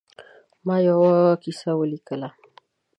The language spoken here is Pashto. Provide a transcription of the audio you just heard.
ما یوه کیسه ولیکله.